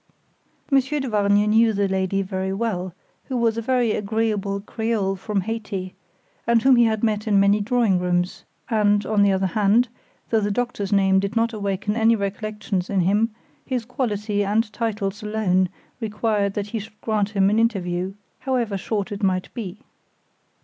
_ Monsieur de Vargnes knew the lady very well, who was a very agreeable Creole from Hayti, and whom he had met in many drawing rooms, and, on the other hand, though the doctor's name did not awaken any recollections in him, his quality and titles alone required that he should grant him an interview, however short it might be.